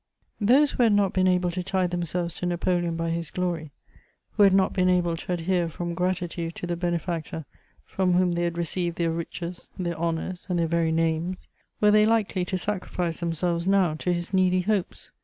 Those who had not been able to tie themselves to Napoleon by his glory, who had not been able to adhere from gratitude to the benefactor from whom they had received their riches, their honours and their very names, were they likely to sacrifice themselves now to his needy hopes?